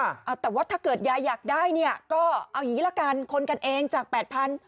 เอาแต่ว่าถ้าเกิดยายอยากได้เนี่ยก็เอาอย่างงี้ละกันคนกันเองจากแปดพัน